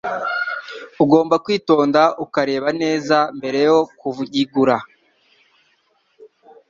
ugomba kwitonda ukareba neza mbere yo kuyigura.